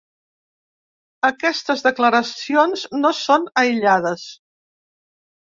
Aquestes declaracions no són aïllades.